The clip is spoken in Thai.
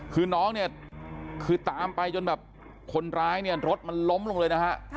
คือน้องเนี่ยคือตามไปจนแบบคนร้ายเนี่ยรถมันล้มลงเลยนะฮะ